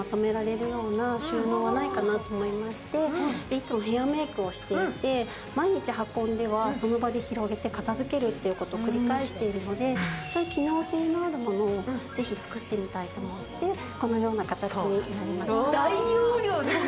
いつもヘアメイクをしていて毎日運んではその場で広げて片付けるということを繰り返しているので機能性のあるものをぜひ作ってみたいと思って、このような形になりました。